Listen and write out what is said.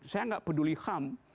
saya nggak peduli ham